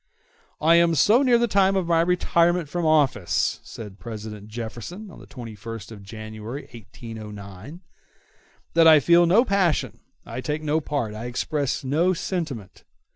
"I am so near the time of my retirement from office," said President Jefferson on the 21st of January, 1809 (six weeks before the election), "that I feel no passion, I take no part, I express no sentiment.